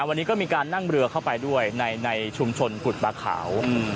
วันนี้ก็มีการนั่งเรือเข้าไปด้วยในชุมชนกุฎปลาขาว